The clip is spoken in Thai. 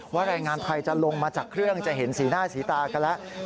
แรงงานไทยจะลงมาจากเครื่องจะเห็นสีหน้าสีตากันแล้ว